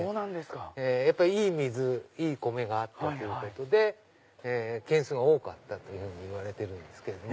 やっぱりいい水いい米があったということで軒数が多かったというふうにいわれているんですけれども。